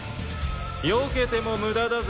よけても無駄だぜ。